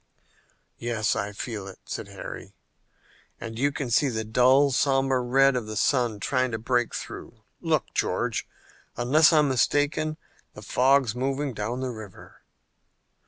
"Yes, I feel it," said Harry, "and you can see the dull, somber red of the sun trying to break through. Look, George, unless I'm mistaken the fog's moving down the river!"